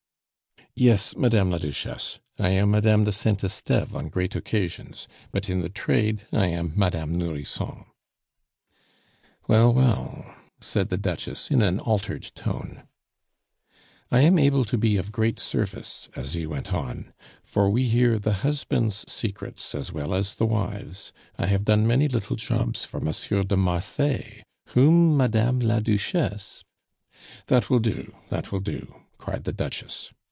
"Yes, Madame la Duchesse, I am Madame de Saint Esteve on great occasions, but in the trade I am Madame Nourrisson." "Well, well," said the Duchess in an altered tone. "I am able to be of great service," Asie went on, "for we hear the husbands' secrets as well as the wives'. I have done many little jobs for Monsieur de Marsay, whom Madame la Duchesse " "That will do, that will do!" cried the Duchess.